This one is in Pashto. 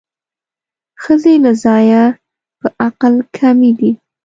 ښځې له ځایه په عقل کمې دي